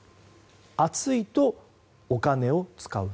暑いとお金を使う。